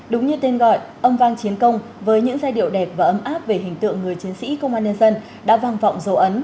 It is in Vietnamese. đúng như tên gọi âm vang chiến công với những giai điệu đẹp và ấm áp về hình tượng người chiến sĩ công an nhân dân đã vang vọng dấu ấn